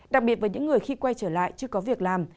đặc biệt với những người khi quay trở lại chưa có việc làm